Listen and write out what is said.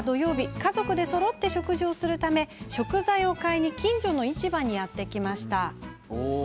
家族でそろって食事をするため食材を買いに近所の市場にやって来ました。